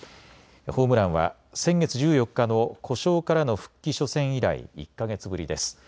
ホームランは先月１４日の故障からの復帰初戦以来、１か月ぶりです。